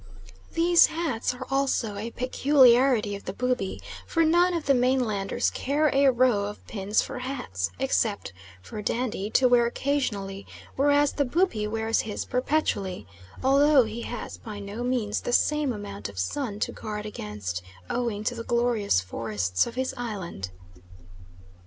These hats are also a peculiarity of the Bubi, for none of the mainlanders care a row of pins for hats, except "for dandy," to wear occasionally, whereas the Bubi wears his perpetually, although he has by no means the same amount of sun to guard against owing to the glorious forests of his island.